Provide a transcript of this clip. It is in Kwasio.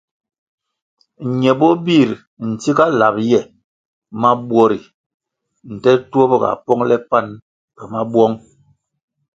Ñe bo bir ntsiga lab ye mabuo ri nte ntuop ga pongle pan pe mabouong.